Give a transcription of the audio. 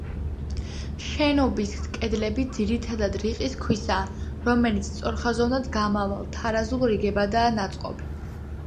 შენობის კედლები ძირითადად რიყის ქვისაა, რომელიც სწორხაზოვნად გამავალ, თარაზულ რიგებადაა ნაწყობი.